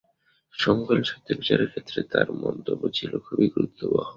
সমকালীন সাহিত্যবিচারের ক্ষেত্রে তাঁর মন্তব্য ছিল খুবই গুরুত্ববহ।